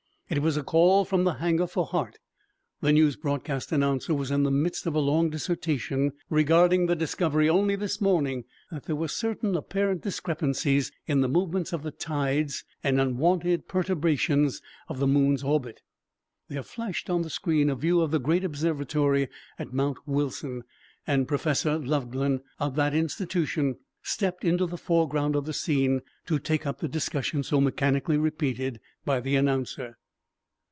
It was a call from the hangar for Hart. The news broadcast announcer was in the midst of a long dissertation regarding the discovery only this morning that there were certain apparent discrepancies in the movements of the tides and unwonted perturbations of the moon's orbit. There flashed on the screen a view of the great observatory at Mount Wilson, and Professor Laughlin of that institution stepped into the foreground of the scene to take up the discussion so mechanically repeated by the announcer.